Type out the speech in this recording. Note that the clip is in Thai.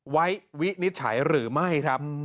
วินิจฉัยหรือไม่ครับ